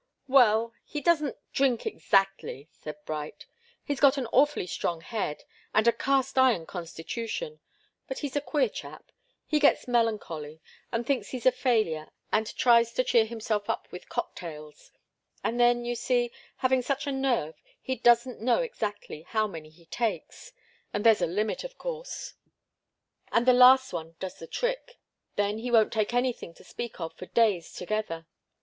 "Well, he doesn't drink exactly," said Bright. "He's got an awfully strong head and a cast iron constitution, but he's a queer chap. He gets melancholy, and thinks he's a failure and tries to cheer himself with cocktails. And then, you see, having such a nerve, he doesn't know exactly how many he takes; and there's a limit, of course and the last one does the trick. Then he won't take anything to speak of for days together.